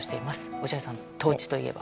落合さん、トーチといえば？